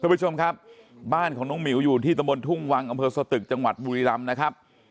คุณผู้ชมครับบ้านของน้องหมิวอยู่ที่ตะบนทุ่งวังอำเภอสตึกจังหวัดบุรีรำนะครับ